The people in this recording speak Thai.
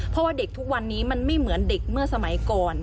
เพราะว่าเด็กทุกวันนี้มันไม่เหมือนเด็กเมื่อสมัยก่อน